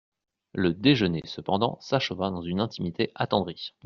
Le déjeuner, cependant, s'acheva dans une intimité attendrie.